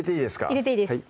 入れていいです